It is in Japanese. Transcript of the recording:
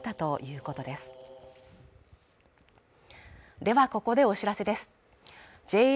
ここでお知らせです